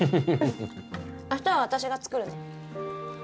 明日は私が作るね。